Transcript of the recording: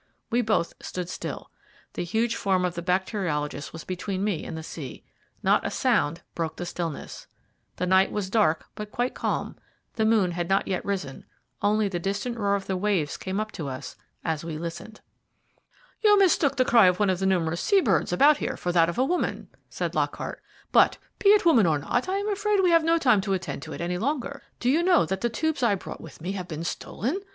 We both stood still. The huge form of the bacteriologist was between me and the sea. Not a sound broke the stillness. The night was dark but quite calm, the moon had not yet risen, only the distant roar of the waves came up to us as we listened. "You mistook the cry of one of the numerous sea birds about here for that of a woman," said Lockhart; "but, be it woman or not, I am afraid we have no time to attend to it any longer. Do you know that the tubes I brought with me have been stolen?